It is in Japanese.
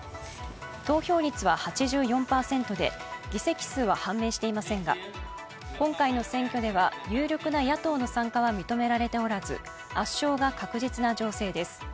投票率は８４％で議席数は判明していませんが今回の選挙では有力な野党の参加は認められておらず圧勝が確実な情勢です。